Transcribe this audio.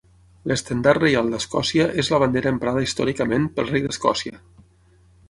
L'Estendard Reial d'Escòcia és la bandera emprada històricament pel Rei d'Escòcia.